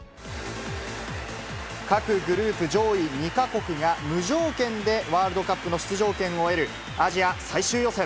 各グループ上位２か国が無条件でワールドカップの出場権を得るアジア最終予選。